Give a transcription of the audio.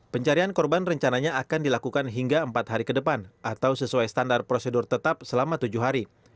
pencarian korban rencananya akan dilakukan hingga empat hari ke depan atau sesuai standar prosedur tetap selama tujuh hari